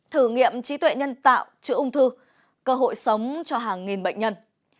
thử nghiệm trí tuệ nhân tạo chữa ung thư cơ hội sống cho hàng nghìn bệnh nhân